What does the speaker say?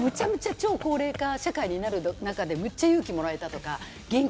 むちゃむちゃ超高齢化社会になる中で、むっちゃ勇気もらえたとか。